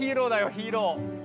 ヒーロー！